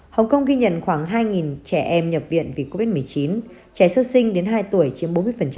hồng kông ghi nhận khoảng hai trẻ em nhập viện vì covid một mươi chín trẻ sơ sinh đến hai tuổi chiếm bốn mươi